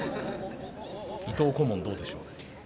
伊藤顧問どうでしょう。